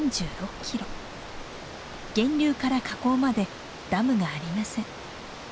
源流から河口までダムがありません。